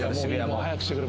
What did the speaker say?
早くしてくれ。